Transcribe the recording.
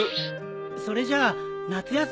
それじゃあ夏休み